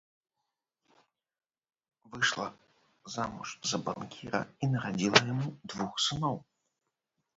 Выйшла замуж за банкіра і нарадзіла яму двух сыноў.